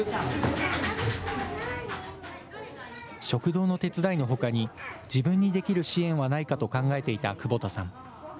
食堂の手伝いのほかに、自分にできる支援はないかと考えていた久保田さん。